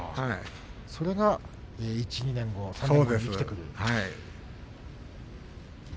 それが１、２年後に生きてくる。